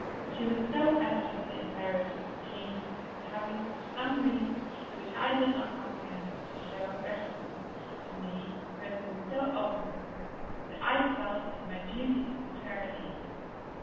She was so evidently embarrassed and pained at having for some reason which I did not comprehend to show reticence to me who had been so open with her, that I felt it my duty to put her at ease.